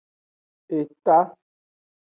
Eta.